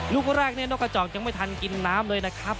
ลูกแรกนี่นกกระจอกยังไม่ทันกินน้ำเลยนะครับ